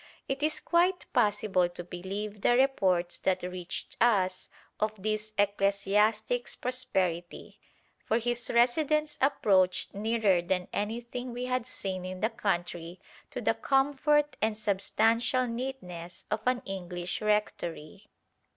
It is quite possible to believe the reports that reached us of this ecclesiastic's prosperity, for his residence approached nearer than anything we had seen in the country to the comfort and substantial neatness of an English rectory.